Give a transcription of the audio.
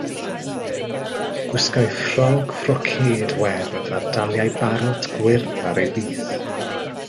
Gwisgai ffrog frocêd werdd a daliai barot gwyrdd ar ei bys.